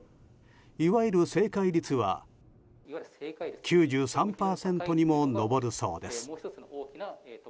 いわゆる正解率は９３％にも上るそうです。